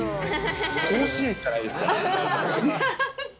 甲子園じゃないですか。